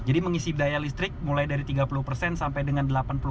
jadi mengisi daya listrik mulai dari tiga puluh sampai dengan delapan puluh